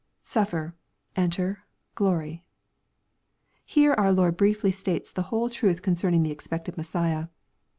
[Suffered., etiter... glory.] Here our Lord briefly states the whole truth concerning the expected Messiah.